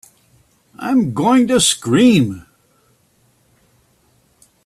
I'm going to scream!